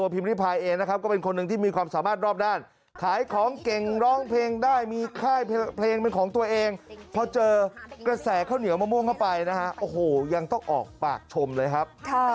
พิมพายนะฮะโอ้โหยังต้องออกปากชมเลยครับ